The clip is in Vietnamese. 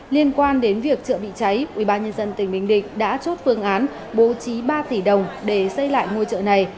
liên quan đến việc chợ bị cháy ubnd tỉnh bình định đã chốt phương án bố trí ba tỷ đồng để xây lại ngôi chợ này